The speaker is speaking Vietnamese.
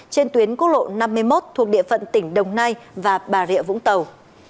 trên tuyến quốc lộ năm mươi một thuộc địa phận tỉnh đồng nai và bà rịa vũng tàu